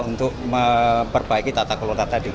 untuk memperbaiki tata kelola tadi